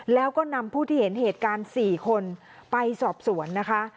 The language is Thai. แล้วก็นำผู้ที่เห็นเหตุการณ์๔คนไปสอบสวนนะคะ